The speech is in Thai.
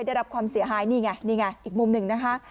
ได้รับความเสียหายนี่ไงนี่ไงอีกมุมหนึ่งนะคะ